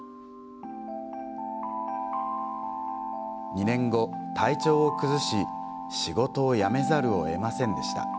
２年後、体調を崩し仕事を辞めざるをえませんでした。